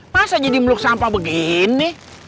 masa jadi meluk sampah begini